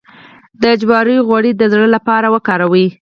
د جوارو غوړي د زړه لپاره وکاروئ